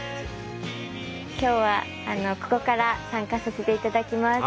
今日はここから参加させていただきます。